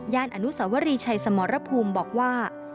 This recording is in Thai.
อนุสวรีชัยสมรภูมิบอกว่า